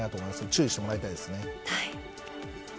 注意してもらいたいですね。